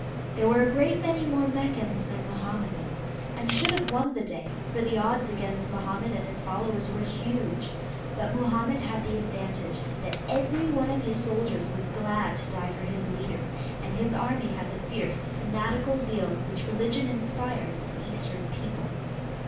There were a great many more Meccans than Mohammedans, and should have won the day, for the odds against Mohammed and his followers were huge, but Mohammed had the advantage that every one of his soldiers was glad to die for his leader and his army had the fierce, fanatical zeal which religion inspires in eastern people.